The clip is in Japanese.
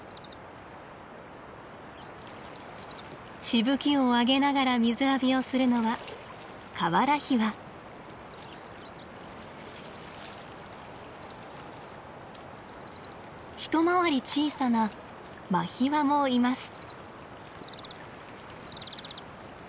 しぶきを上げながら水浴びをするのは一回り小さなマヒワもいます。